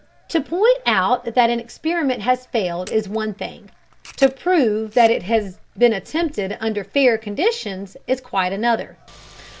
To point out that an experiment has failed is one thing; to prove that it has been attempted under fair conditions is quite another.